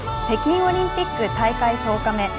北京オリンピック大会１０日目。